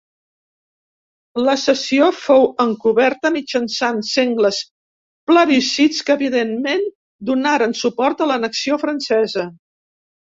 La cessió fou encoberta mitjançant sengles plebiscits que, evidentment, donaren suport a l'annexió francesa.